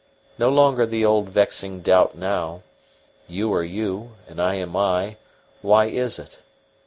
No longer the old vexing doubt now "You are you, and I am I why is it?"